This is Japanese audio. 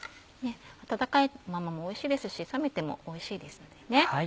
温かいままもおいしいですし冷めてもおいしいですので。